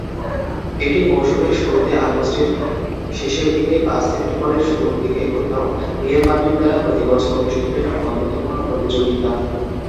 এটি মৌসুমের শুরুতে আগস্টের শেষের দিকে বা সেপ্টেম্বরের শুরুর দিকে কোথাও রিয়াল মাদ্রিদ দ্বারা প্রতি বছর অনুষ্ঠিত একটি বন্ধুত্বপূর্ণ প্রতিযোগিতা।